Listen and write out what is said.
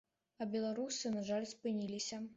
А беларусы, на жаль, спыніліся.